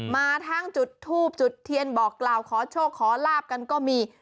มาทั้งจุดทูบจุดเทียนบอกกล่าวขอโชคขอลาบกันก็มี